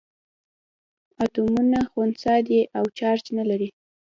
اتومونه خنثي دي او چارج نه لري.